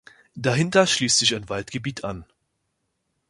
Dahinter schließt sich ein Waldgebiet an.